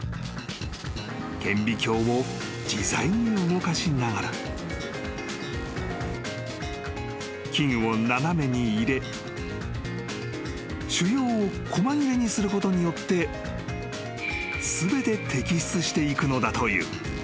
［顕微鏡を自在に動かしながら器具を斜めに入れ腫瘍を細切れにすることによって全て摘出していくのだという］